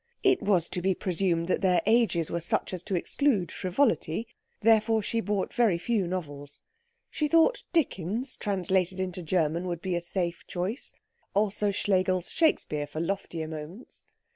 It was to be presumed that their ages were such as to exclude frivolity; therefore she bought very few novels. She thought Dickens translated into German would be a safe choice; also Schlegel's Shakespeare for loftier moments.